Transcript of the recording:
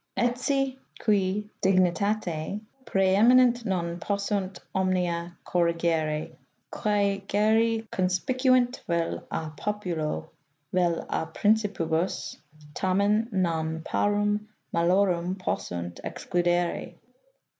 Etsi qui dignitate prseeminent non possunt omnia corrigere, quae geri conspiciunt vel S. populo, vel a Principibus, tamen non parum malorum possunt excludere.